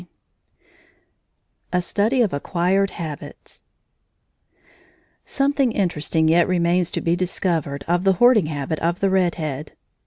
X A STUDY OF ACQUIRED HABITS Something interesting yet remains to be discovered of the hoarding habit of the red head.